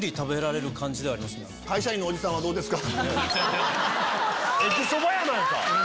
会社員のおじさんはどうですか？